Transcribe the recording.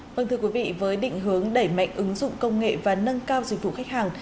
vâng thưa quý vị với định hướng đẩy mạnh ứng dụng công nghệ và nâng cao dịch vụ khách hàng